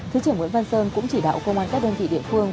thứ trưởng nguyễn văn sơn cũng chỉ đạo công an các đơn vị địa phương